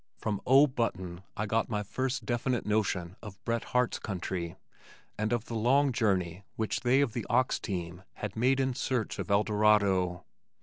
From O. Button I got my first definite notion of Bret Harte's country, and of the long journey which they of the ox team had made in search of Eldorado.